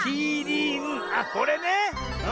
あっこれね。